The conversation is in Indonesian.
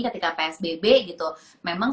ketika psbb gitu memang